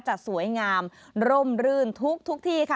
จะสวยงามร่มรื่นทุกที่ค่ะ